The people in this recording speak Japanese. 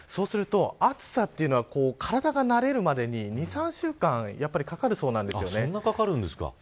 暑さというのは体が慣れるまでに２、３週間かかるそうなんです。